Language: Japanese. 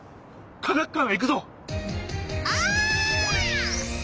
科学館へ行くぞ！